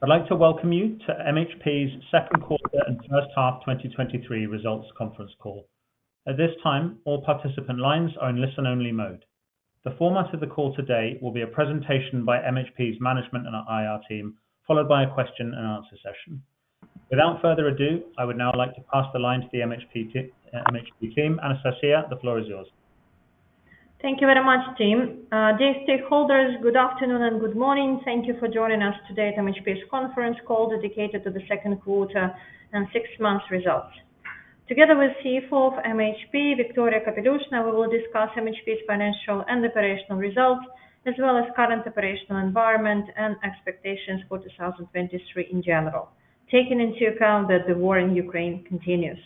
I'd like to welcome you to MHP's second quarter and first half 2023 results conference call. At this time, all participant lines are in listen-only mode. The format of the call today will be a presentation by MHP's management and our IR team, followed by a question and answer session. Without further ado, I would now like to pass the line to the MHP team. Anastasiya, the floor is yours. Thank you very much, team. Dear stakeholders, good afternoon and good morning. Thank you for joining us today at MHP's conference call, dedicated to the second quarter and six months results. Together with CFO of MHP, Viktoria Kapelyushna, we will discuss MHP's financial and operational results, as well as current operational environment and expectations for 2023 in general, taking into account that the war in Ukraine continues.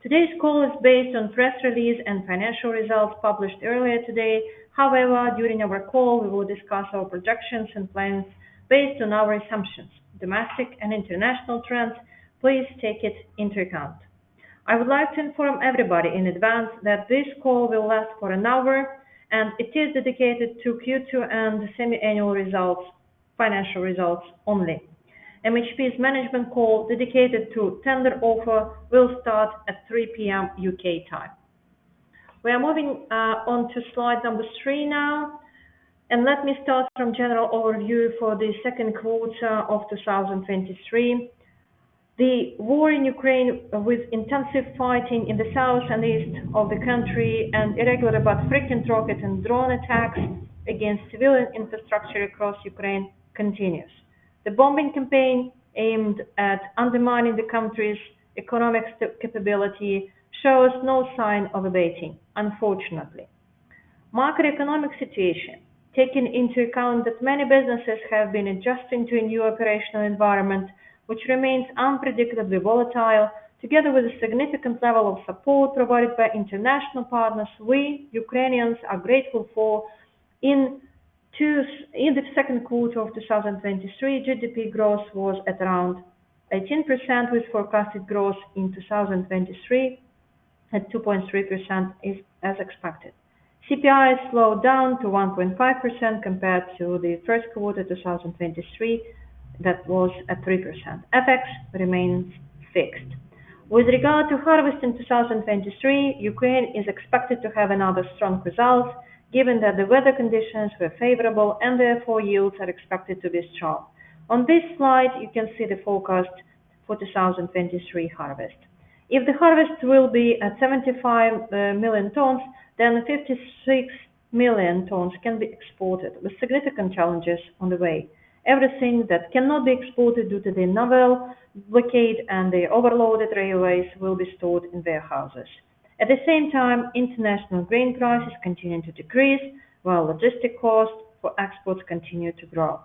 Today's call is based on press release and financial results published earlier today. However, during our call, we will discuss our projections and plans based on our assumptions, domestic and international trends. Please take it into account. I would like to inform everybody in advance that this call will last for an hour, and it is dedicated to Q2 and the semiannual results, financial results only. MHP's management call, dedicated to tender offer, will start at 3:00 P.M. UK time. We are moving on to slide number 3 now, and let me start from general overview for the second quarter of 2023. The war in Ukraine, with intensive fighting in the south and east of the country and irregular but frequent rocket and drone attacks against civilian infrastructure across Ukraine, continues. The bombing campaign, aimed at undermining the country's economic capability, shows no sign of abating, unfortunately. Macroeconomic situation, taking into account that many businesses have been adjusting to a new operational environment which remains unpredictably volatile, together with a significant level of support provided by international partners, we Ukrainians are grateful for. In the second quarter of 2023, GDP growth was at around 18%, with forecasted growth in 2023 at 2.3% is as expected. CPI slowed down to 1.5% compared to the first quarter, 2023, that was at 3%. FX remains fixed. With regard to harvest in 2023, Ukraine is expected to have another strong result, given that the weather conditions were favorable and therefore yields are expected to be strong. On this slide, you can see the forecast for 2023 harvest. If the harvest will be at 75 million tons, then 56 million tons can be exported with significant challenges on the way. Everything that cannot be exported due to the naval blockade and the overloaded railways will be stored in warehouses. At the same time, international grain prices continue to decrease, while logistic costs for exports continue to grow.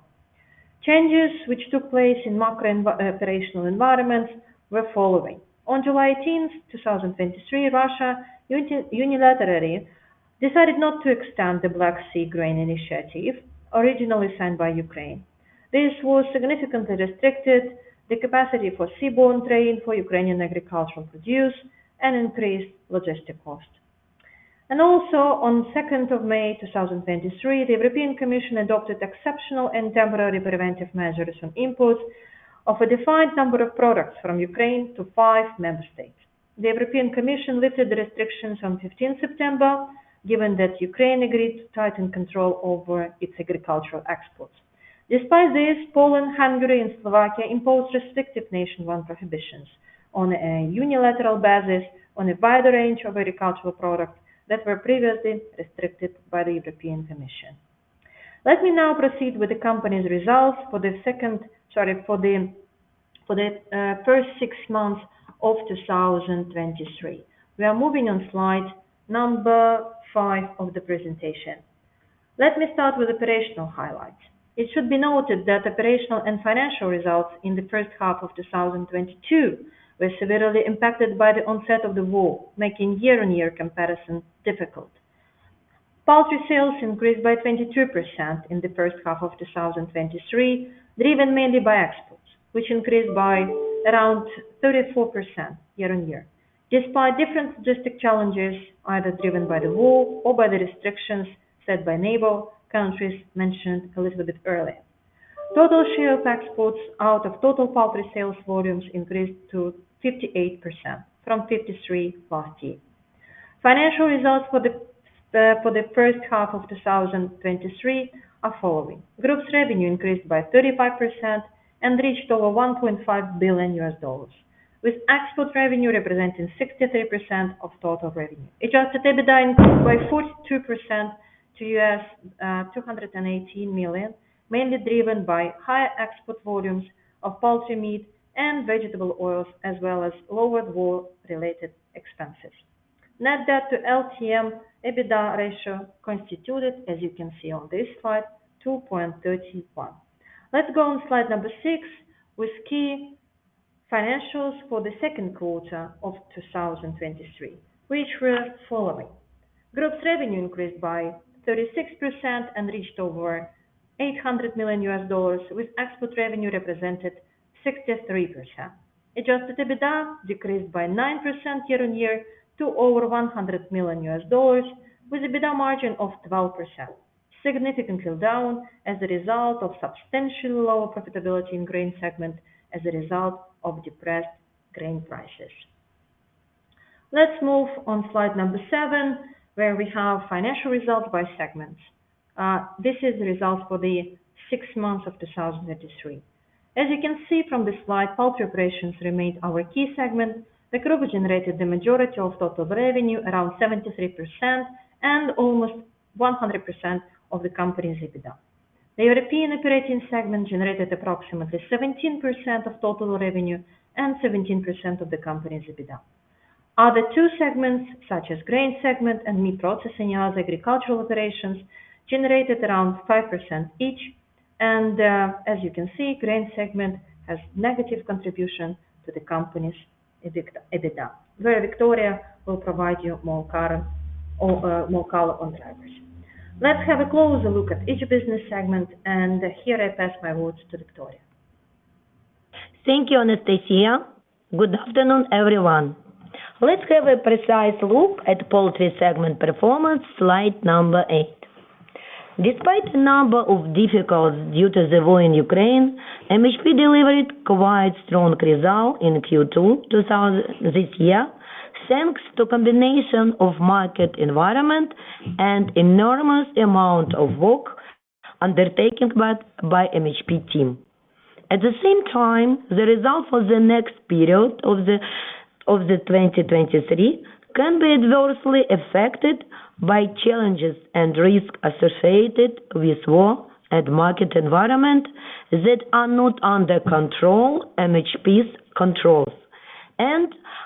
Changes which took place in macro, operational environments were following: On July 18, 2023, Russia unilaterally decided not to extend the Black Sea Grain Initiative, originally signed by Ukraine. This was significantly restricted the capacity for seaborne trade for Ukrainian agricultural produce and increased logistic costs. And also on May 2, 2023, the European Commission adopted exceptional and temporary preventive measures on imports of a defined number of products from Ukraine to five member states. The European Commission lifted the restrictions on September 15, given that Ukraine agreed to tighten control over its agricultural exports. Despite this, Poland, Hungary, and Slovakia imposed restrictive nationwide prohibitions on a unilateral basis on a wider range of agricultural products that were previously restricted by the European Commission. Let me now proceed with the company's results for the second... Sorry, for the first six months of 2023. We are moving on slide number 5 of the presentation. Let me start with operational highlights. It should be noted that operational and financial results in the first half of 2022 were severely impacted by the onset of the war, making year-on-year comparison difficult. Poultry sales increased by 22% in the first half of 2023, driven mainly by exports, which increased by around 34% year-on-year. Despite different logistic challenges, either driven by the war or by the restrictions set by neighbor countries mentioned a little bit earlier. Total share of exports out of total poultry sales volumes increased to 58% from 53% last year. Financial results for the first half of 2023 are following: Group's revenue increased by 35% and reached over $1.5 billion, with export revenue representing 63% of total revenue. Adjusted EBITDA increased by 42% to $218 million, mainly driven by higher export volumes of poultry meat and vegetable oils, as well as lower war-related expenses. Net debt to LTM EBITDA ratio constituted, as you can see on this slide, 2.31. Let's go on slide number six with key financials for the second quarter of 2023, which were following: Group's revenue increased by 36% and reached over $800 million, with export revenue represented 63%. Adjusted EBITDA decreased by 9% year-on-year to over $100 million, with a EBITDA margin of 12%, significantly down as a result of substantially lower profitability in grain segment as a result of depressed grain prices. Let's move on slide number seven, where we have financial results by segments. This is the results for the six months of 2023. As you can see from the slide, poultry operations remained our key segment. The group generated the majority of total revenue, around 73% and almost 100% of the company's EBITDA. The European operating segment generated approximately 17% of total revenue and 17% of the company's EBITDA. Other two segments, such as grain segment and meat processing and other agricultural operations, generated around 5% each and, as you can see, grain segment has negative contribution to the company's EBITDA, where Viktoria will provide you more current or, more color on the drivers. Let's have a closer look at each business segment, and here I pass my words to Viktoria. Thank you, Anastasiya. Good afternoon, everyone. Let's have a precise look at poultry segment performance, slide number 8. Despite the number of difficulties due to the war in Ukraine, MHP delivered quite strong result in Q2 2023, thanks to combination of market environment and enormous amount of work undertaken by the MHP team. At the same time, the result for the next period of 2023 can be adversely affected by challenges and risks associated with war and market environment that are not under MHP's control.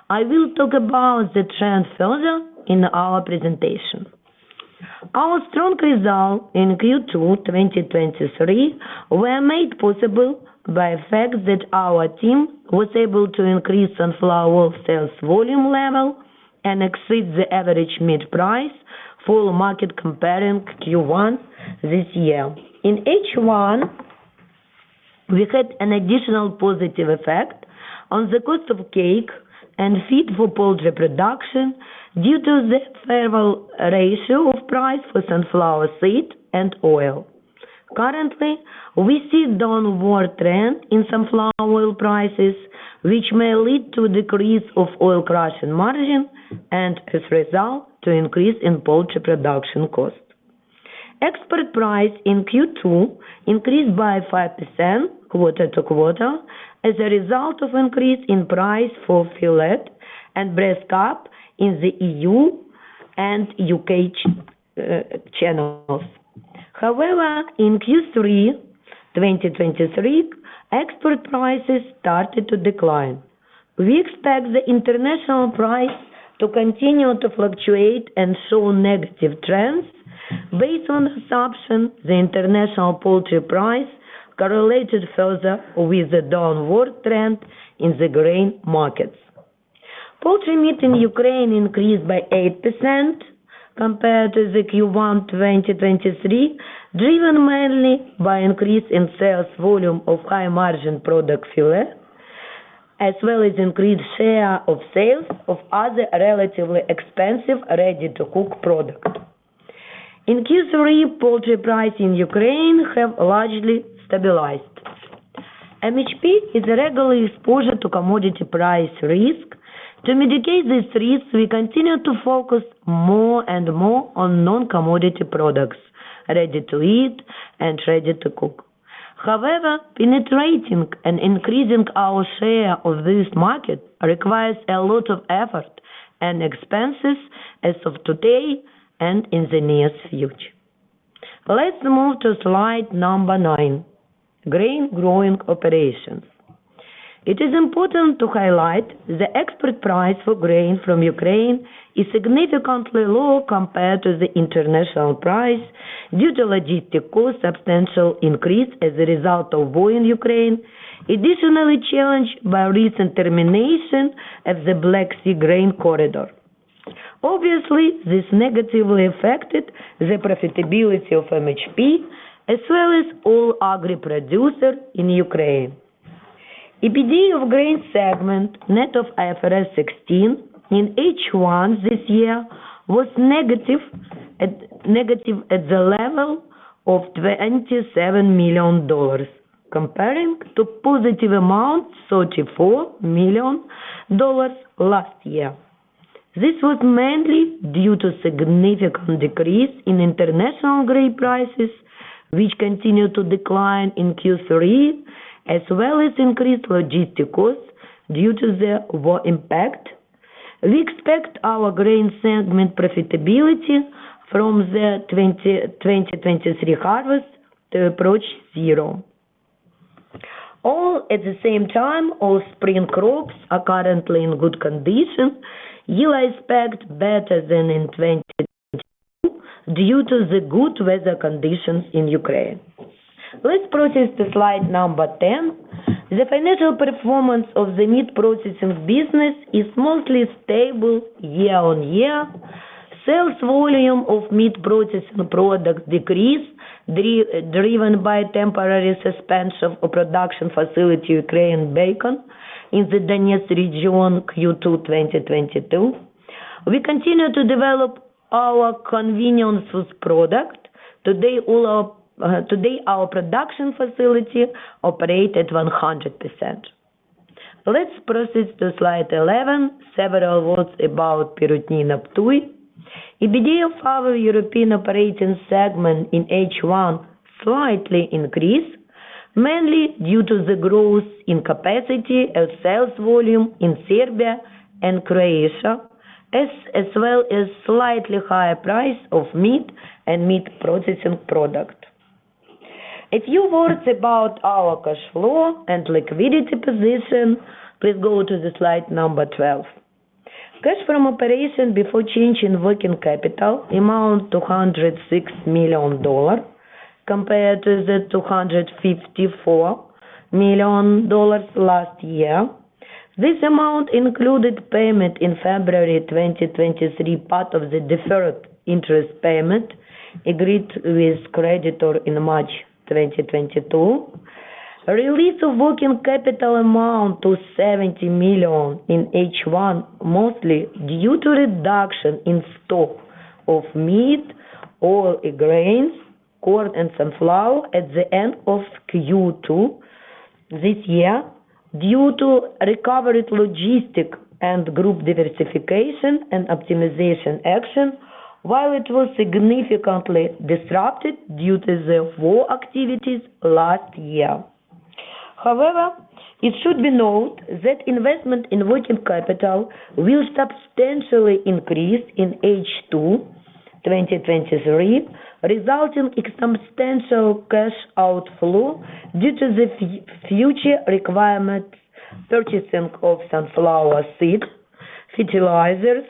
I will talk about the trend further in our presentation. Our strong result in Q2 2023 were made possible by the fact that our team was able to increase sunflower sales volume level and exceed the average mid price for market comparing Q1 this year. In H1, we had an additional positive effect on the cost of cake and feed for poultry production due to the favorable ratio of price for sunflower seed and oil. Currently, we see downward trend in sunflower oil prices, which may lead to a decrease of oil crushing margin and, as a result, to increase in poultry production cost. Export price in Q2 increased by 5% quarter-over-quarter as a result of increase in price for fillet and breast cap in the EU and UK channels. However, in Q3 2023, export prices started to decline. We expect the international price to continue to fluctuate and show negative trends based on assumption the international poultry price correlated further with the downward trend in the grain markets. Poultry meat in Ukraine increased by 8% compared to Q1 2023, driven mainly by increase in sales volume of high-margin product fillet, as well as increased share of sales of other relatively expensive ready-to-cook product. In Q3, poultry price in Ukraine have largely stabilized. MHP is regularly exposed to commodity price risk. To mitigate this risk, we continue to focus more and more on non-commodity products, ready-to-eat and ready-to-cook. However, penetrating and increasing our share of this market requires a lot of effort and expenses as of today and in the near future. Let's move to slide number 9, grain growing operations. It is important to highlight the export price for grain from Ukraine is significantly lower compared to the international price due to logistic cost substantial increase as a result of war in Ukraine, additionally challenged by recent termination of the Black Sea Grain Corridor. Obviously, this negatively affected the profitability of MHP, as well as all agri producer in Ukraine. EBITDA of grain segment, net of IFRS 16, in H1 this year, was negative at, negative at the level of $27 million, comparing to positive amount, $34 million last year. This was mainly due to significant decrease in international grain prices, which continued to decline in Q3, as well as increased logistic costs due to the war impact. We expect our grain segment profitability from the 2023 harvest to approach zero. All at the same time, all spring crops are currently in good condition, yield is expected better than in 2022 due to the good weather conditions in Ukraine. Let's proceed to slide number 10. The financial performance of the meat processing business is mostly stable year-on-year. Sales volume of meat processing products decreased, driven by temporary suspension of production facility, Ukrainian Bacon, in the Donetsk region, Q2 2022. We continue to develop our convenience food product. Today, all our, today, our production facility operate at 100%. Let's proceed to slide 11. Several words about Perutnina Ptuj. EBITDA of our European operating segment in H1 slightly increased, mainly due to the growth in capacity of sales volume in Serbia and Croatia, as well as slightly higher price of meat and meat processing product. A few words about our cash flow and liquidity position. Please go to slide 12. Cash from operation before change in working capital amount to $106 million, compared to $254 million last year. This amount included payment in February 2023, part of the deferred interest payment agreed with creditor in March 2022. Release of working capital amount to $70 million in H1, mostly due to reduction in stock of meat or grains, corn and sunflower at the end of Q2 this year, due to recovered logistic and group diversification and optimization action, while it was significantly disrupted due to the war activities last year. However, it should be noted that investment in working capital will substantially increase in H2 2023, resulting in substantial cash outflow due to the future requirement purchasing of sunflower seeds, fertilizers,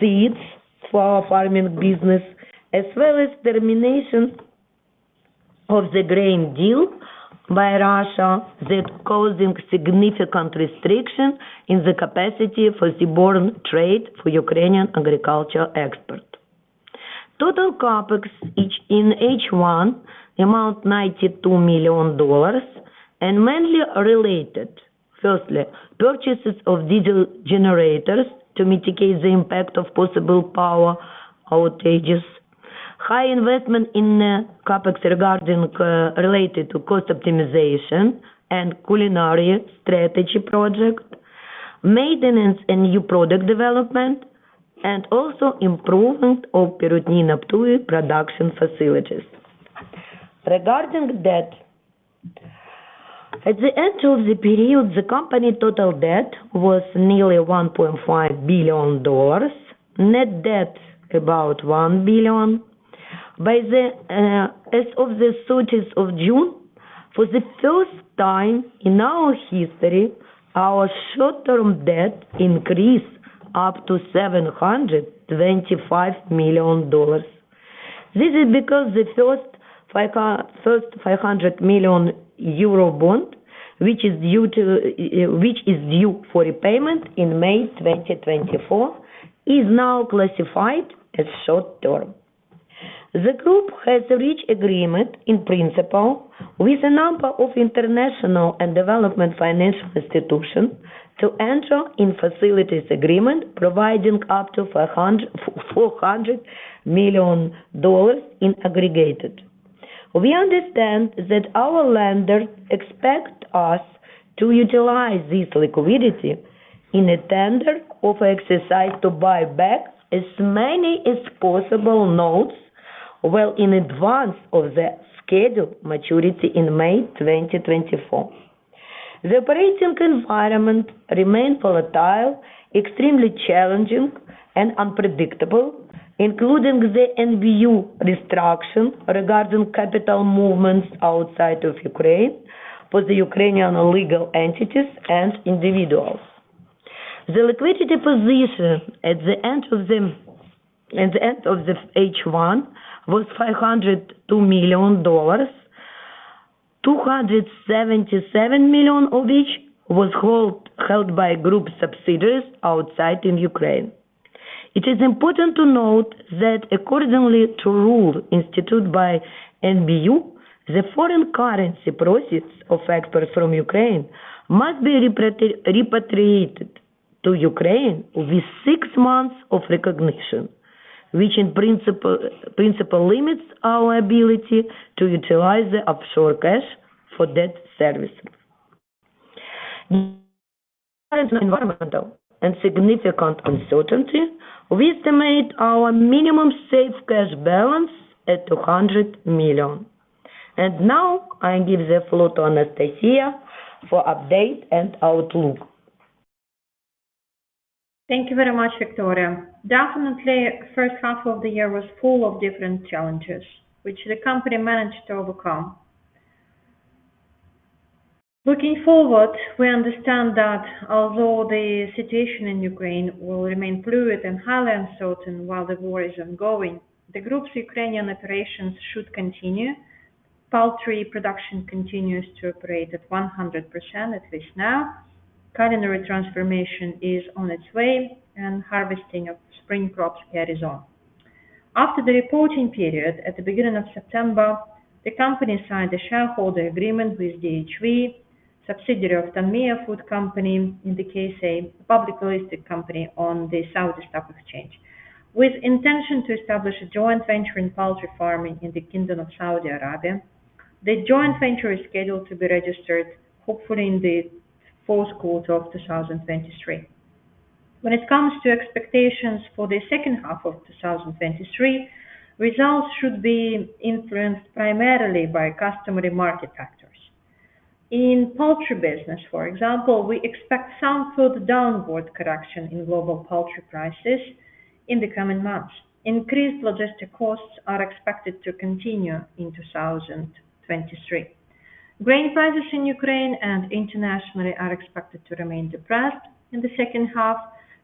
seeds for our farming business, as well as termination of the grain deal by Russia, that causing significant restriction in the capacity for seaborne trade for Ukrainian agriculture export. Total CapEx in H1 amount $92 million and mainly related. Firstly, purchases of diesel generators to mitigate the impact of possible power outages, high investment in CapEx regarding related to cost optimization and culinary strategy project, maintenance and new product development, and also improvement of Perutnina Ptuj production facilities. Regarding debt, at the end of the period, the company total debt was nearly $1.5 billion. Net debt, about $1 billion. By the, as of the 30th of June, for the first time in our history, our short-term debt increased up to $725 million. This is because the first five hundred million euro bond, which is due for repayment in May 2024, is now classified as short term. The group has reached agreement in principle with a number of international and development financial institutions to enter in facilities agreement, providing up to four hundred million dollars in aggregate. We understand that our lenders expect us to utilize this liquidity in a tender offer exercise to buy back as many as possible notes, well in advance of the scheduled maturity in May 2024. The operating environment remains volatile, extremely challenging and unpredictable, including the NBU restriction regarding capital movements outside of Ukraine for the Ukrainian legal entities and individuals. The liquidity position at the end of the H1 was $502 million, $277 million of which was held by group subsidiaries outside Ukraine. It is important to note that according to rules instituted by NBU, the foreign currency proceeds of export from Ukraine must be repatriated to Ukraine within six months of recognition, which in principle limits our ability to utilize the offshore cash for debt service. Current environment and significant uncertainty, we estimate our minimum safe cash balance at $200 million. And now, I give the floor to Anastasiya for update and outlook. Thank you very much, Viktoria. Definitely, first half of the year was full of different challenges, which the company managed to overcome. Looking forward, we understand that although the situation in Ukraine will remain fluid and highly uncertain while the war is ongoing, the group's Ukrainian operations should continue. Poultry production continues to operate at 100%, at least now. Culinary transformation is on its way, and harvesting of spring crops carries on. After the reporting period at the beginning of September, the company signed a shareholder agreement with DHV, subsidiary of Tanmiah Food Company, in the case, a publicly listed company on the Saudi Stock Exchange. With intention to establish a joint venture in poultry farming in the Kingdom of Saudi Arabia, the joint venture is scheduled to be registered, hopefully in the fourth quarter of 2023. When it comes to expectations for the second half of 2023, results should be influenced primarily by customary market factors. In poultry business, for example, we expect some further downward correction in global poultry prices in the coming months. Increased logistic costs are expected to continue in 2023. Grain prices in Ukraine and internationally are expected to remain depressed in the second half,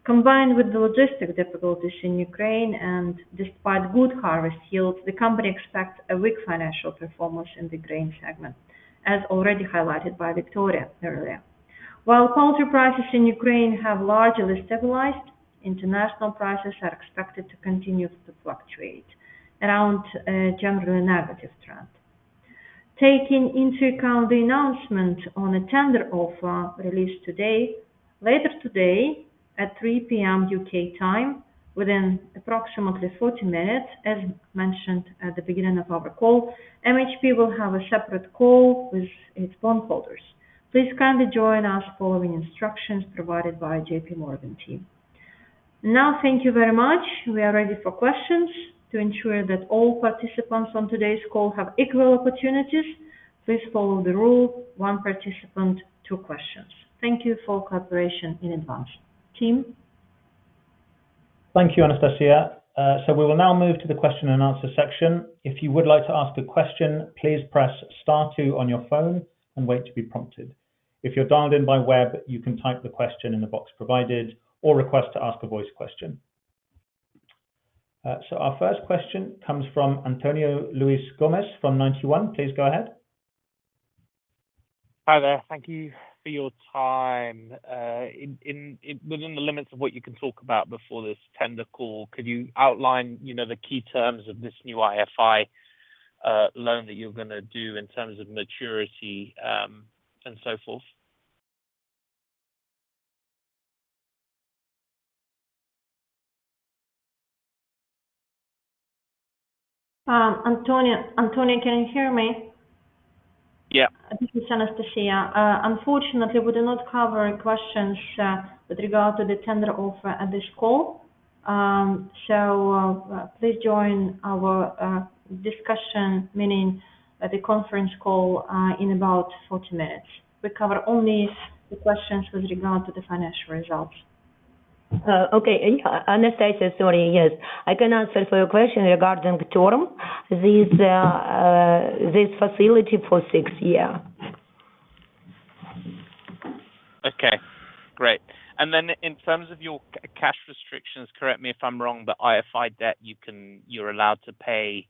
combined with the logistic difficulties in Ukraine, and despite good harvest yields, the company expects a weak financial performance in the grain segment, as already highlighted by Viktoria earlier. While poultry prices in Ukraine have largely stabilized, international prices are expected to continue to fluctuate around generally negative trend. Taking into account the announcement on a tender offer released today, later today at 3:00 P.M. UK time, within approximately 40 minutes, as mentioned at the beginning of our call, MHP will have a separate call with its bondholders. Please kindly join us following the instructions provided by JPMorgan team. Now, thank you very much. We are ready for questions. To ensure that all participants on today's call have equal opportunities, please follow the rule, one participant, two questions. Thank you for cooperation in advance. Team? Thank you, Anastasiya. So we will now move to the question and answer section. If you would like to ask a question, please press star two on your phone and wait to be prompted. If you're dialed in by web, you can type the question in the box provided or request to ask a voice question. Our first question comes from Antonio Luis Gomez from Ninety One. Please go ahead. Hi there. Thank you for your time. Within the limits of what you can talk about before this tender call, could you outline, you know, the key terms of this new IFI loan that you're going to do in terms of maturity, and so forth? Antonio, Antonio, can you hear me? Yeah. This is Anastasiya. Unfortunately, we do not cover questions with regard to the tender offer at this call. So, please join our discussion, meaning at the conference call, in about 40 minutes. We cover only the questions with regard to the financial results. Okay. And Anastasiya, sorry, yes. I can answer for your question regarding the term. This facility for 6 year. Okay, great. And then in terms of your cash restrictions, correct me if I'm wrong, the IFI debt, you can—you're allowed to pay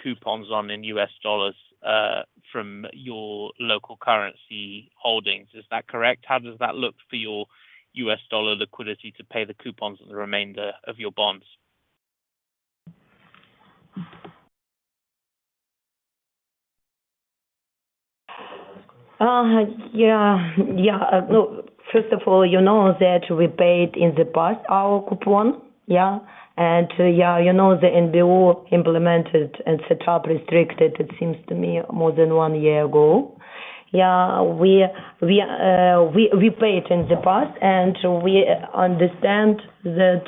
coupons on in US dollars from your local currency holdings. Is that correct? How does that look for your US dollar liquidity to pay the coupons of the remainder of your bonds? Yeah. Yeah. Look, first of all, you know that we paid in the past our coupon, yeah? And, yeah, you know, the NBU implemented and set up restricted, it seems to me, more than one year ago. Yeah, we, we, we paid in the past, and we understand that...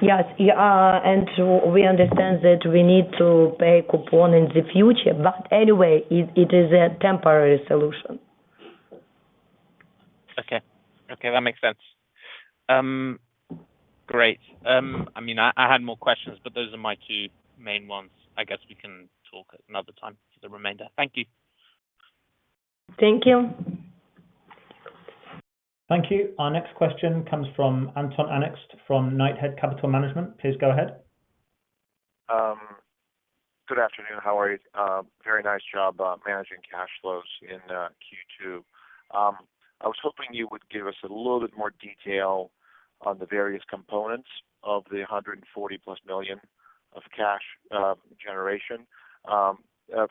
Yes, and we understand that we need to pay coupon in the future, but anyway, it, it is a temporary solution. Okay. Okay, that makes sense. Great. I mean, I had more questions, but those are my two main ones. I guess we can talk at another time for the remainder. Thank you. Thank you. Thank you. Our next question comes from Anton Anikst from Knighthead Capital Management. Please go ahead. Good afternoon. How are you? Very nice job managing cash flows in Q2. I was hoping you would give us a little bit more detail on the various components of the $140+ million of cash generation.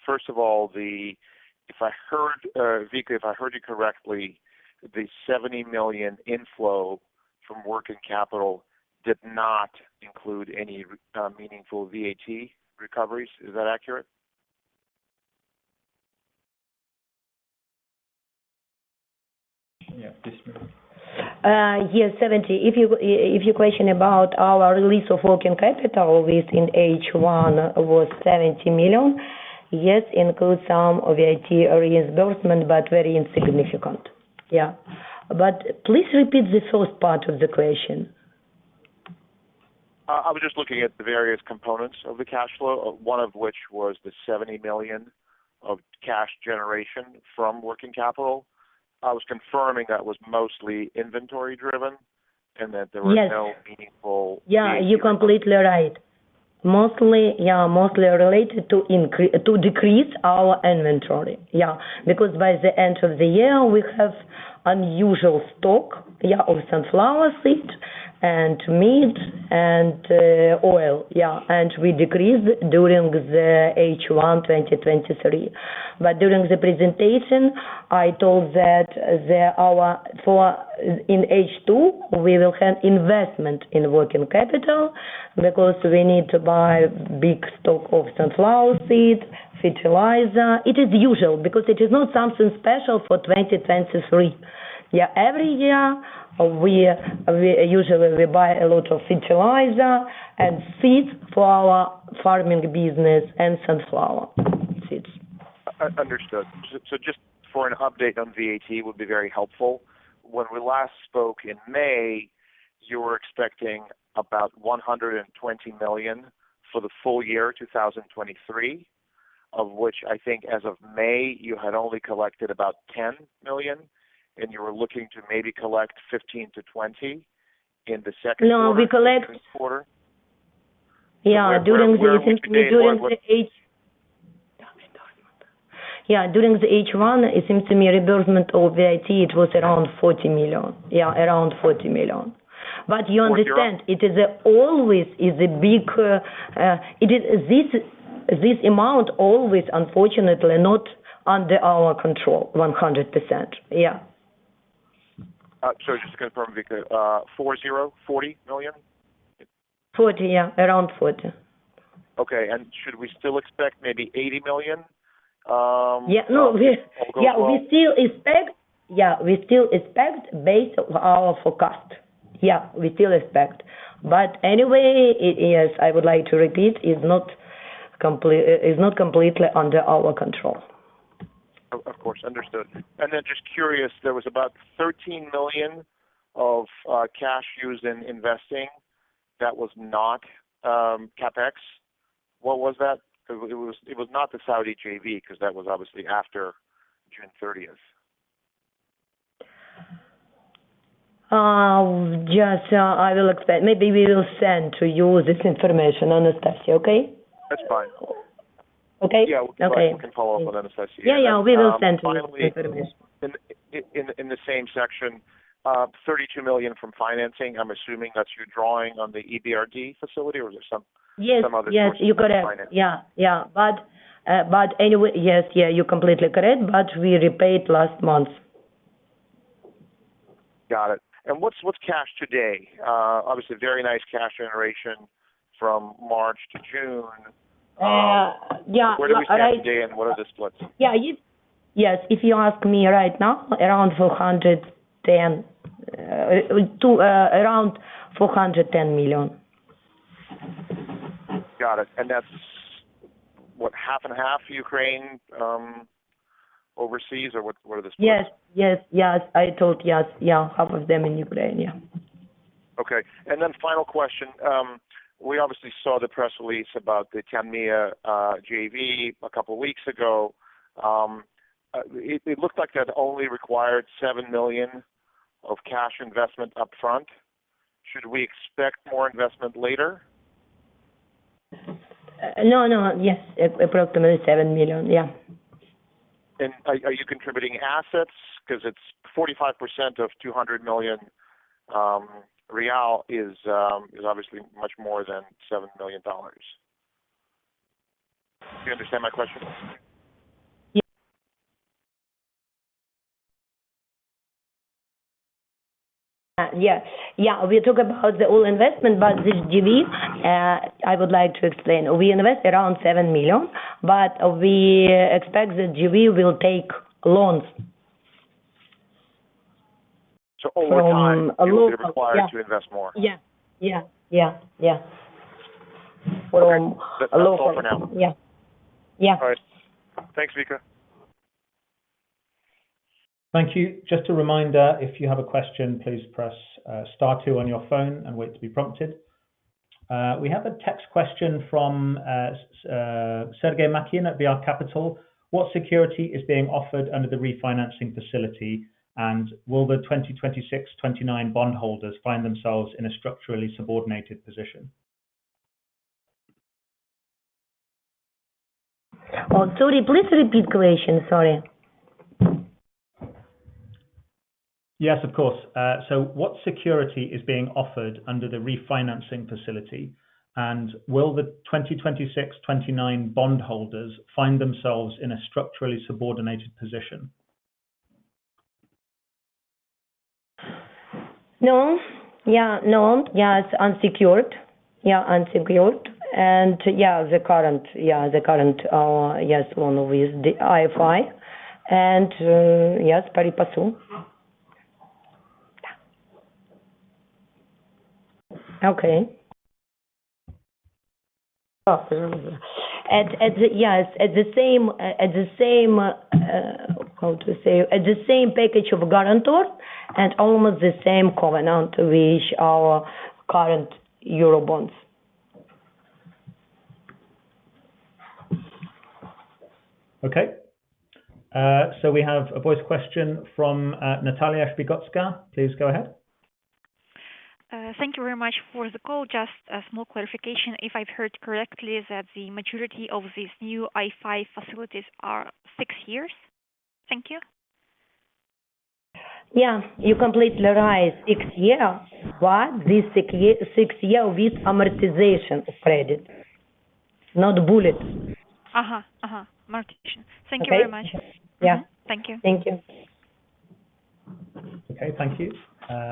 First of all, if I heard Vika correctly, the $70 million inflow from working capital did not include any meaningful VAT recoveries. Is that accurate? Yeah, please. Yeah, 70. If you question about our release of working capital within H1 was $70 million, yes, includes some of it VAT reimbursement, but very insignificant. Yeah. But please repeat the first part of the question. I was just looking at the various components of the cash flow, one of which was the $70 million of cash generation from working capital. I was confirming that was mostly inventory driven?... and that there was no meaningful- Yes. Yeah, you're completely right. Mostly, yeah, mostly related to decrease our inventory. Yeah, because by the end of the year, we have unusual stock, yeah, of sunflower seed, and meat, and oil. Yeah, and we decreased during the H1 2023. But during the presentation, I told that our for in H2, we will have investment in working capital because we need to buy big stock of sunflower seed, fertilizer. It is usual, because it is not something special for 2023. Yeah, every year, we usually buy a lot of fertilizer and seeds for our farming business and sunflower seeds. Understood. So just for an update on VAT would be very helpful. When we last spoke in May, you were expecting about $120 million for the full year 2023, of which I think as of May, you had only collected about $10 million, and you were looking to maybe collect $15 million-$20 million in the second quarter. No, we collect- Second quarter. Yeah, during the- Where, where, where are we today? During the H1, yeah, during the H1, it seems to me reimbursement of VAT, it was around $40 million. Yeah, around $40 million. Four zero? But you understand, it is always is a big. It is this, this amount always unfortunately not under our control 100%. Yeah. Sorry, just to confirm, Vika, 4, 0, $40 million? 40, yeah, around 40. Okay. Should we still expect maybe $80 million, or go above? Yeah, we still expect based on our forecast. But anyway, it is, I would like to repeat, not completely under our control. Of course. Understood. And then just curious, there was about $13 million of cash used in investing that was not CapEx. What was that? It was not the Saudi JV, because that was obviously after June 30th. Just, I will expect. Maybe we will send to you this information, Anastasiya, okay? That's fine. Okay? Okay. Yeah, we can follow up on Anastasiya. Yeah, yeah, we will send to you. Finally, in the same section, $32 million from financing, I'm assuming that's you drawing on the EBRD facility, or is there some- Yes. some other source of financing? Yes, you're correct. Yeah, yeah. But, but anyway. Yes, yeah, you're completely correct, but we repaid last month. Got it. And what's cash today? Obviously, very nice cash generation from March to June. Uh, yeah. Where do we stand today, and what are the splits? Yeah, you... Yes, if you ask me right now, around $410 million to around $410 million. Got it. And that's, what, half and half Ukraine, overseas, or what, what are the splits? Yes, yes, yes. I told yes, yeah, half of them in Ukraine, yeah. Okay. And then final question: we obviously saw the press release about the Tanmiah JV a couple of weeks ago. It looked like that only required $7 million of cash investment upfront. Should we expect more investment later? No, no. Yes, approximately $7 million, yeah. Are you contributing assets? Because it's 45% of 200 million reais is obviously much more than $7 million. Do you understand my question? Yeah. Yeah. Yeah, we talk about the whole investment, but this JV, I would like to explain. We invest around $7 million, but we expect the JV will take loans. Over time- A loan. you will be required to invest more? Yeah. Yeah, yeah, yeah. Okay. A loan. That's all for now. Yeah. Yeah. All right. Thanks, Vika. Thank you. Just a reminder, if you have a question, please press star two on your phone and wait to be prompted. We have a text question from Sergey Makin at VR Capital. What security is being offered under the refinancing facility, and will the 2026, 2029 bondholders find themselves in a structurally subordinated position? Oh, sorry. Please repeat the question. Sorry. Yes, of course. So what security is being offered under the refinancing facility, and will the 2026, 2029 bondholders find themselves in a structurally subordinated position? No. Yeah, no. Yeah, it's unsecured. Yeah, unsecured. And yeah, the current... Yeah, the current, yes, one with the IFI, and, yes, Pari Passu. Okay. And, and, yes, at the same, at, at the same, how to say? At the same package of guarantor and almost the same covenant with our current euro bonds. .Okay. So we have a voice question from Nataliia Shpygotska. Please go ahead. Thank you very much for the call. Just a small clarification, if I've heard correctly, that the maturity of these new IFI facilities are six years? Thank you. Yeah, you're completely right, six years. But this six year with amortization credit, not bullet. Uh-huh, uh-huh, amortization. Okay? Thank you very much. Yeah. Thank you. Thank you. Okay, thank you.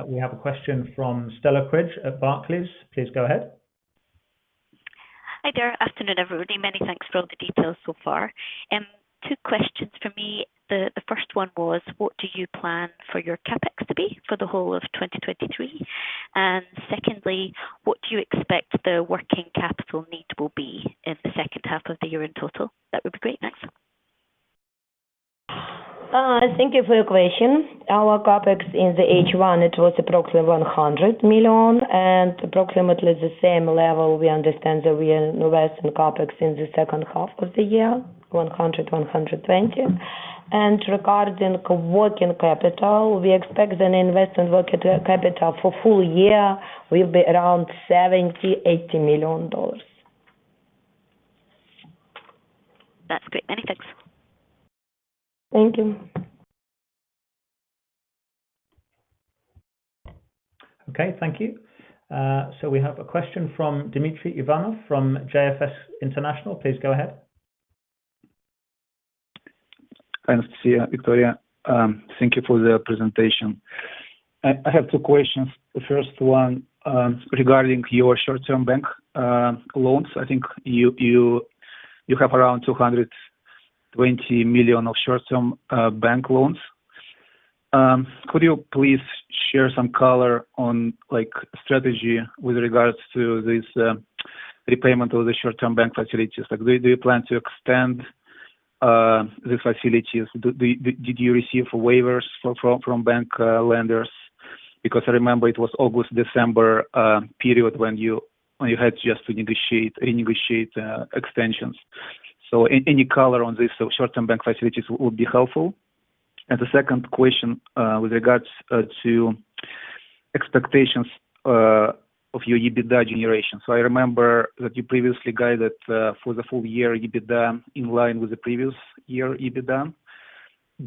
We have a question from Stella Cridge at Barclays. Please go ahead. Hi there. Afternoon, everybody. Many thanks for all the details so far. Two questions from me. The first one was, what do you plan for your CapEx to be for the whole of 2023? And secondly, what do you expect the working capital need will be in the second half of the year in total? That would be great. Thanks. Thank you for your question. Our CapEx in the H1, it was approximately $100 million, and approximately the same level, we understand that we invest in CapEx in the second half of the year, $100-$120. And regarding working capital, we expect an investment working capital for full year will be around $70-$80 million. That's great. Many thanks. Thank you. Okay, thank you. So we have a question from Dmitry Ivanov from JSS International. Please go ahead. Hi, Nastya, Viktoria. Thank you for the presentation. I have two questions. The first one, regarding your short-term bank loans. I think you have around $220 million of short-term bank loans. Could you please share some color on, like, strategy with regards to this, repayment of the short-term bank facilities? Like, do you plan to extend the facilities? Did you receive waivers from bank lenders? Because I remember it was August, December period when you had just to negotiate, renegotiate extensions. So any color on this short-term bank facilities would be helpful. And the second question, with regards to expectations of your EBITDA generation. So I remember that you previously guided for the full year EBITDA in line with the previous year EBITDA.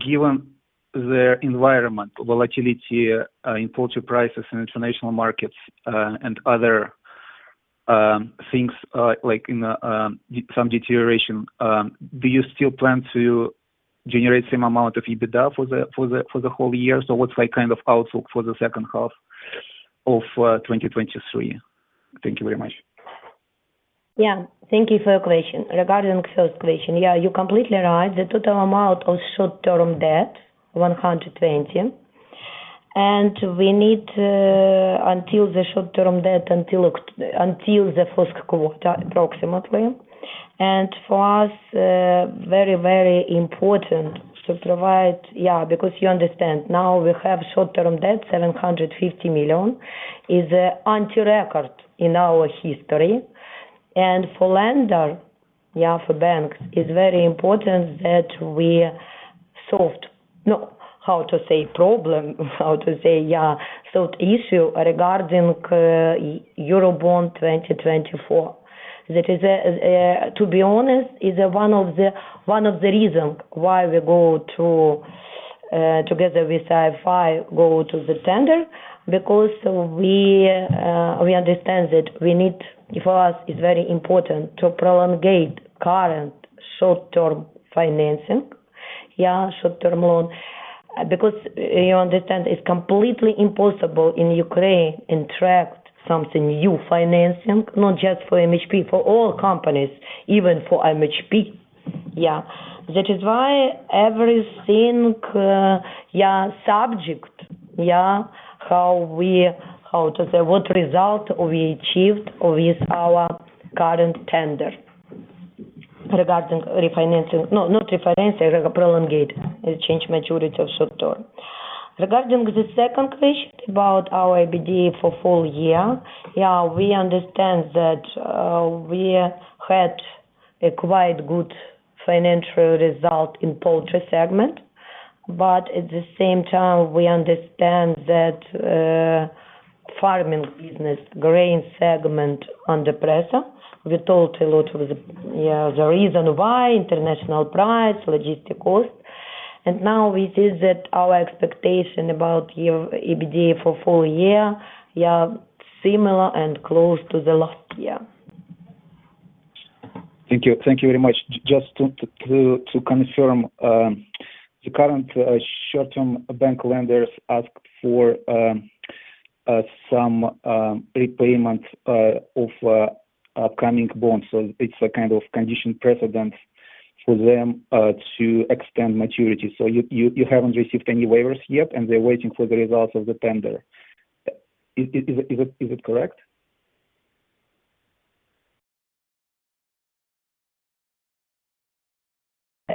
Given the environment volatility in poultry prices and international markets and other things like some deterioration, do you still plan to generate same amount of EBITDA for the whole year? So what's like kind of outlook for the second half of 2023? Thank you very much. Yeah. Thank you for your question. Regarding first question, yeah, you're completely right. The total amount of short-term debt, $120, and we need until the short-term debt until the first quarter, approximately. And for us, very, very important to provide... Yeah, because you understand now we have short-term debt, $750 million, is anti-record in our history. And for lender, yeah, for banks, it's very important that we solved problem, yeah, solved issue regarding Eurobond 2024. That is, to be honest, is one of the, one of the reasons why we go to together with IFI, go to the tender, because we, we understand that we need, for us, it's very important to prolongate current short-term financing, yeah, short-term loan. Because, you understand, it's completely impossible in Ukraine to attract some new financing, not just for MHP, for all companies, even for MHP. That is why everything subject to how we—how to say—what result we achieved with our current tender regarding refinancing. No, not refinancing, prolongating, change maturity of short term. Regarding the second question about our EBITDA for full year, we understand that we had a quite good financial result in poultry segment, but at the same time, we understand that farming business, grain segment, under pressure. We talked a lot with the reason why international price, logistic cost. And now we see that our expectation about our EBITDA for full year similar and close to the last year. Thank you. Thank you very much. Just to confirm, the current short-term bank lenders asked for some prepayment of upcoming bonds. So it's a kind of condition precedent for them to extend maturity. So you haven't received any waivers yet, and they're waiting for the results of the tender. Is it correct?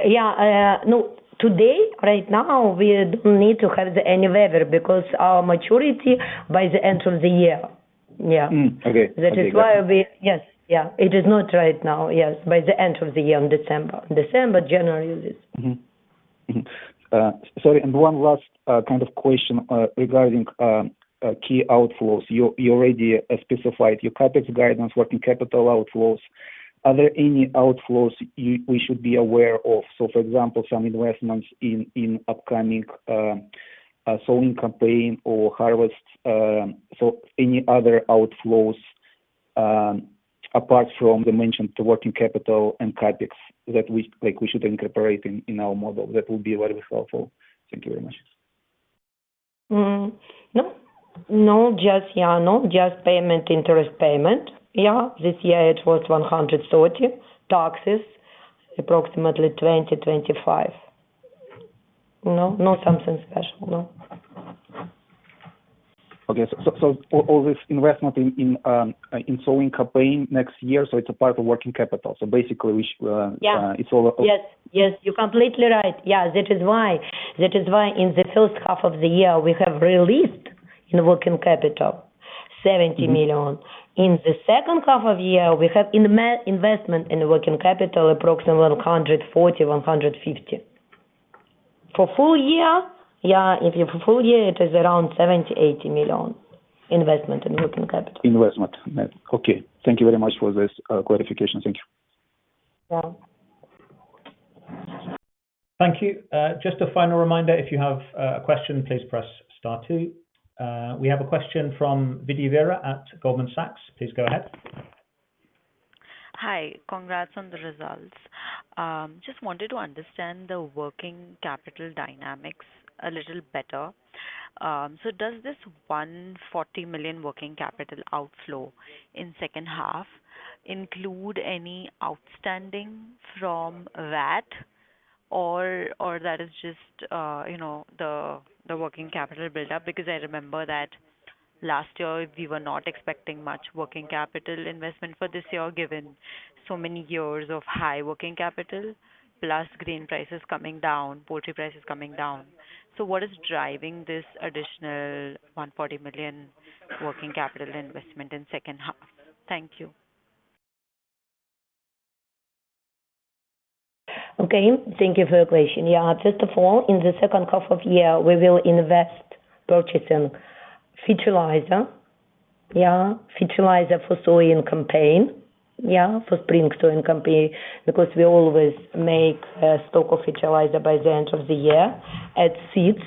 Yeah, no, today, right now, we don't need to have any waiver because our maturity by the end of the year. Yeah. Okay. That is why we yes. Yeah, it is not right now. Yes, by the end of the year, in December. December, January, it is. Mm-hmm. Sorry, and one last kind of question regarding key outflows. You already specified your CapEx guidance, working capital outflows. Are there any outflows we should be aware of? So for example, some investments in upcoming sowing campaign or harvest, so any other outflows apart from the mentioned working capital and CapEx that we like we should incorporate in our model? That would be very helpful. Thank you very much. No. No, just payment, interest payment. Yeah. This year it was $130. Taxes, approximately $20-$25. No, not something special. No. Okay. So all this investment in sowing campaign next year, so it's a part of working capital? So basically, we- Yeah. It's all- Yes. Yes, you're completely right. Yeah, that is why, that is why in the first half of the year, we have released in working capital, $70 million. Mm. In the second half of the year, we have investment in the working capital, approximately $140-$150 million. For full year, yeah, if you for full year, it is around $70-$80 million investment in working capital. Investment. Okay. Thank you very much for this clarification. Thank you. Yeah. Thank you. Just a final reminder, if you have a question, please press star two. We have a question from Vidya Vaira at Goldman Sachs. Please go ahead. Hi, congrats on the results. Just wanted to understand the working capital dynamics a little better. So does this $140 million working capital outflow in second half include any outstanding from that? Or, or that is just, you know, the, the working capital build up? Because I remember that last year we were not expecting much working capital investment for this year, given so many years of high working capital, plus grain prices coming down, poultry prices coming down. So what is driving this additional $140 million working capital investment in second half? Thank you. Okay, thank you for your question. Yeah, first of all, in the second half of the year, we will invest purchasing fertilizer. Yeah, fertilizer for sowing campaign. Yeah, for spring sowing campaign, because we always make stock of fertilizer by the end of the year, and seeds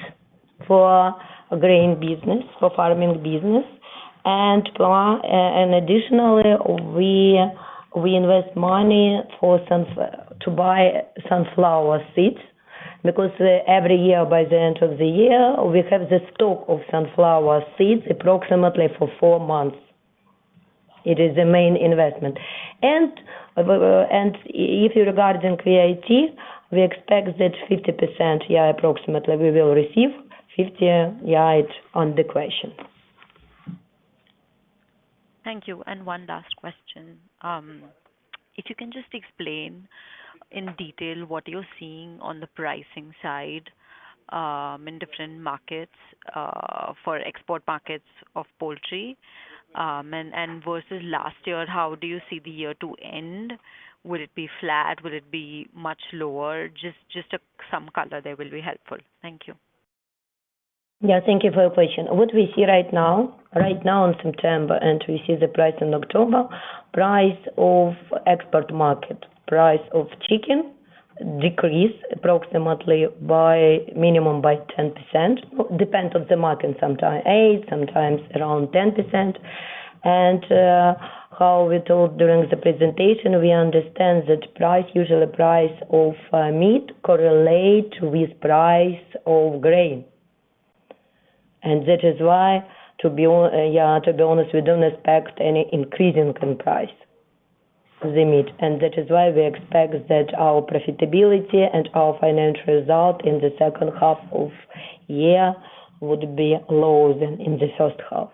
for grain business, for farming business. And additionally, we invest money for some to buy sunflower seeds, because every year by the end of the year, we have the stock of sunflower seeds approximately for four months. It is the main investment. And if you're regarding KAT, we expect that 50%, yeah, approximately, we will receive. 50, yeah, on the question. Thank you. One last question. If you can just explain in detail what you're seeing on the pricing side, in different markets, for export markets of poultry. And versus last year, how do you see the year to end? Will it be flat? Will it be much lower? Just some color there will be helpful. Thank you. Yeah, thank you for your question. What we see right now, right now in September, and we see the price in October, price of export market, price of chicken decreased approximately by minimum by 10%. Depends on the market, sometimes 8, sometimes around 10%. And, how we told during the presentation, we understand that price, usually price of, meat correlate with price of grain. And that is why, to be honest, we don't expect any increasing in price, the meat. And that is why we expect that our profitability and our financial result in the second half of year would be lower than in the first half.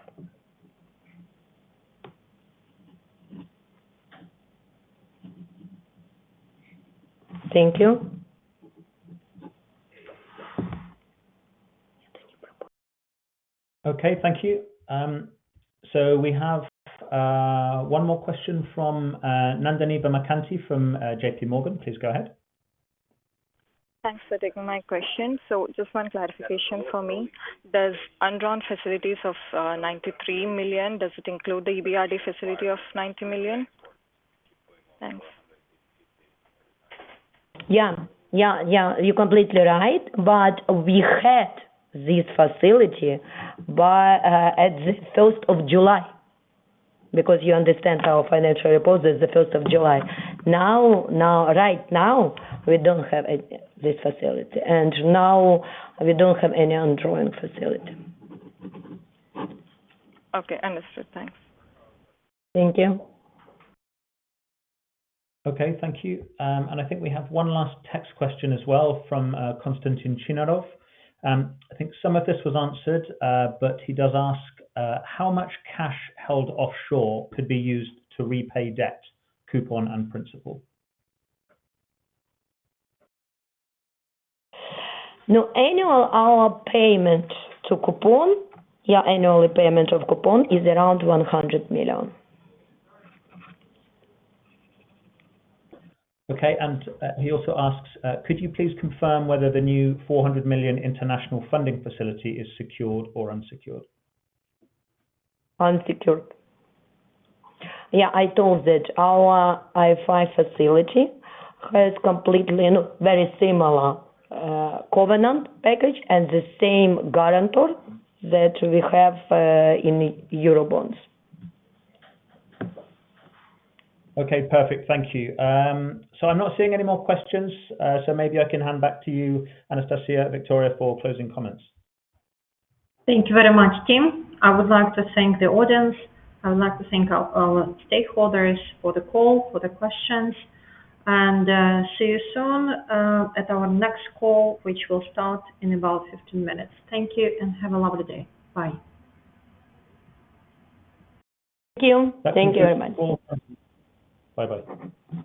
Thank you. Okay, thank you. So we have one more question from Nandini Bommakanti from JPMorgan. Please go ahead. Thanks for taking my question. So just one clarification for me. Does undrawn facilities of $93 million, does it include the EBRD facility of $90 million? Thanks. Yeah. Yeah, yeah, you're completely right, but we had this facility by at the first of July, because you understand our financial report is the first of July. Now, now, right now, we don't have this facility, and now we don't have any undrawn facility. Okay, understood. Thanks. Thank you. Okay, thank you. I think we have one last text question as well from Konstantin Chinarov. I think some of this was answered, but he does ask, "How much cash held offshore could be used to repay debt, coupon, and principal? No, annual coupon payment, yeah, annual payment of coupon is around $100 million. Okay, and, he also asks, "Could you please confirm whether the new $400 million international funding facility is secured or unsecured? Unsecured. Yeah, I told that our IFI facility has completely, you know, very similar covenant package and the same guarantor that we have in the eurobonds. Okay, perfect. Thank you. So I'm not seeing any more questions, so maybe I can hand back to you, Anastasiya, Viktoria, for closing comments. Thank you very much, Tim. I would like to thank the audience. I would like to thank our stakeholders for the call, for the questions, and see you soon at our next call, which will start in about 15 minutes. Thank you and have a lovely day. Bye. Thank you. Thank you very much. Bye-bye.